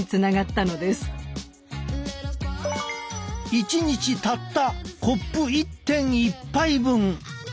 １日たったコップ１．１杯分！